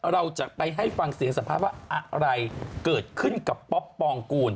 เราจะไปให้ฟังเสียงสัมภาษณ์ว่าอะไรเกิดขึ้นกับป๊อปปองกูล